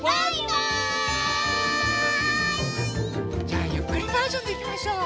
じゃあゆっくりバージョンでいきましょう。